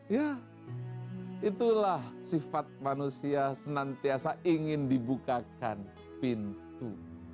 ya itulah sifat manusia senantiasa ingin dibukakan pintu